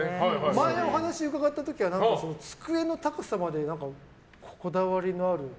前にお話を伺った時は机の高さまで、こだわりのある。